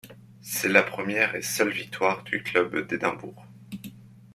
C’est la première et seule victoire à ce jour du club d’Édimbourg.